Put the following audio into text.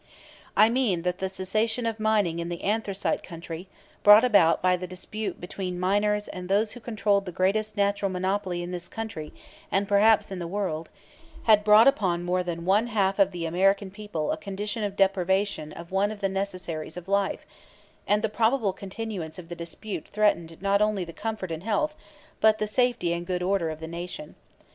I mean that the cessation of mining in the anthracite country, brought about by the dispute between the miners and those who controlled the greatest natural monopoly in this country and perhaps in the world, had brought upon more than one half of the American people a condition of deprivation of one of the necessaries of life, and the probable continuance of the dispute threatened not only the comfort and health, but the safety and good order, of the nation.